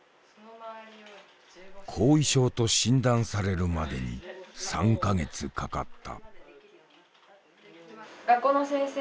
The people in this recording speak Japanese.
後遺症と診断されるまでに３か月かかった。